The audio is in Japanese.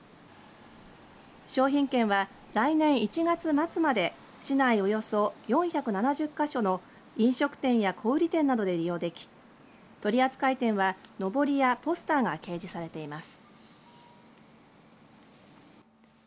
商品券は来年１月末まで市内およそ４７０か所の飲食店や小売店などで利用でき取扱店はのぼりやポスターが掲示されています。